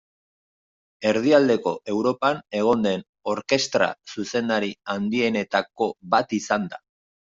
Erdialdeko Europan egon den orkestra-zuzendari handienetako bat izan da.